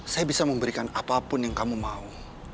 saya bisa memberikan apapun yang kamu mau